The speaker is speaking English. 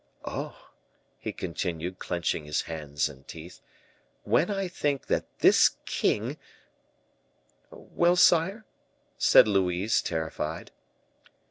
Oh!" he continued, clenching his hands and teeth, "when I think that this king " "Well, sire?" said Louise, terrified.